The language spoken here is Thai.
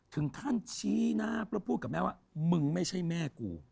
ถึงขั้นชี้หน้าแล้วพูดกับแม่ว่ามึงไม่ใช่แม่กู